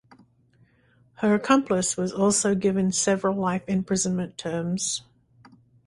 Her accomplice was also given several life imprisonment terms.